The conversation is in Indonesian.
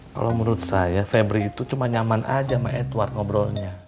kalau menurut saya febri itu cuma nyaman aja sama edward ngobrolnya